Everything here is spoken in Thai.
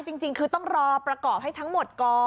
จริงคือต้องรอประกอบให้ทั้งหมดก่อน